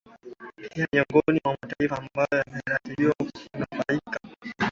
pia ni miongoni mwa mataifa ambayo yameratibiwa kunufaika